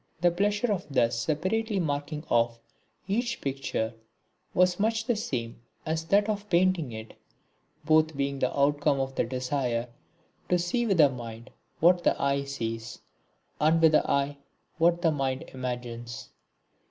The pleasure of thus separately marking off each picture was much the same as that of painting it, both being the outcome of the desire to see with the mind what the eye sees, and with the eye what the mind imagines.